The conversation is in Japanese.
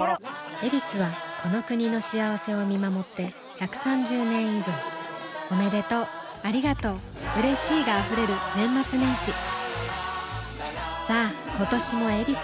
「ヱビス」はこの国の幸せを見守って１３０年以上おめでとうありがとううれしいが溢れる年末年始さあ今年も「ヱビス」で